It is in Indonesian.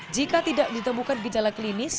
jika tidak ditemukan gejala klinis